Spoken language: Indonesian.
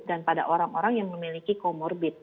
dan pada orang orang yang memiliki comorbid